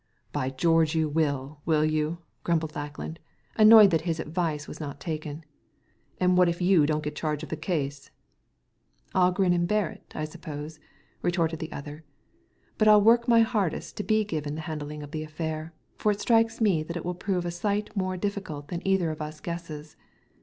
"By George you will, will you !" grumbled Lack land, annoyed that his advice was not taken ; "and what if you don't get charge of the case ?" "I'll grin and bear i^ I suppose!" retorted the other; "but I'll work my hardest to be given the handling of this affair, for it strikes me that it will prove a sight more difficult than either of us guesses.